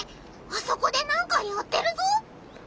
あそこで何かやってるぞ！